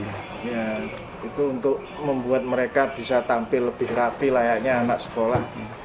ya itu untuk membuat mereka bisa tampil lebih rapi layaknya anak sekolah